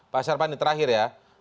pak sarpani terakhir ya